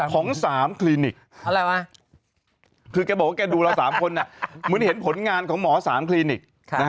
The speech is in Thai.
ของ๓คลินิกอะไรวะคือแกบอกว่าแกดูเรา๓คนเหมือนเห็นผลงานของหมอ๓คลินิก